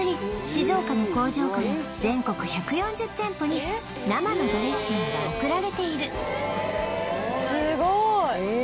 静岡の工場から全国１４０店舗に生のドレッシングが送られている